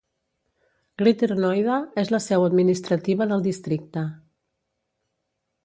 Greater Noida és la seu administrativa del districte.